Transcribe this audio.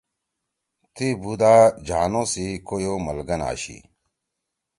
تی بُوداجھانو سی کویو مَلگن آشی۔